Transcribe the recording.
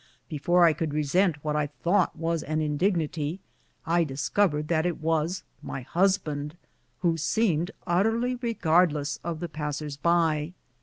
Before I could resent what I thought was an indignity, I discovered that it was my hus band, who seemed utterly regardless of the passers by.